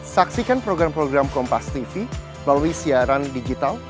saksikan program program kompastv melalui siaran digital